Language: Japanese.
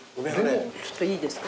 ちょっといいですか？